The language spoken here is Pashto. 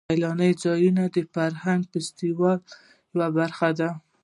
سیلاني ځایونه د فرهنګي فستیوالونو یوه برخه ده.